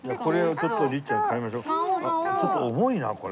ちょっと重いなこれ。